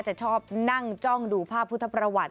จะชอบนั่งจ้องดูภาพพุทธประวัติ